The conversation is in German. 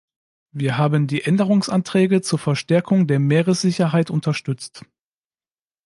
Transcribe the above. Wir haben die Änderungsanträge zur Verstärkung der Meeressicherheit unterstützt.